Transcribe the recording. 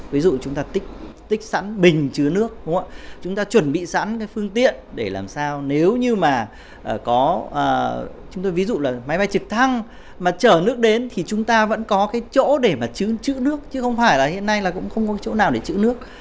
ví dụ chúng ta tích sẵn bình chứa nước chúng ta chuẩn bị sẵn cái phương tiện để làm sao nếu như mà có ví dụ là máy bay trực thăng mà chở nước đến thì chúng ta vẫn có cái chỗ để mà chứa nước chứ không phải là hiện nay là cũng không có chỗ nào để chứa nước